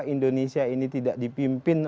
indonesia ini tidak dipimpin